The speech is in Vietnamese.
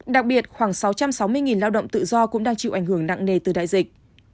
đặc biệt khoảng sáu trăm sáu mươi lao động tự do cũng đang chịu ảnh hưởng nặng nề từ đại dịch